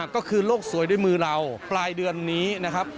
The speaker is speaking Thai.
ก็คือโลกสวยด้วยมือเราปลายเดือนนี้นะครับ